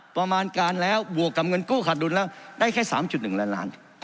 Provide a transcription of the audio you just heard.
ประมาณการแล้วบวกกับเงินกู้ขาดดุลแล้วได้แค่๓๑ล้านล้าน